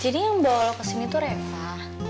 jadi yang bawa lo kesini tuh reva